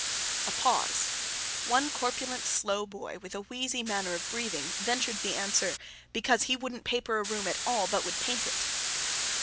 A pause. One corpulent slow boy, with a wheezy manner of breathing, ventured the answer, Because he wouldn't paper a room at all, but would paint it.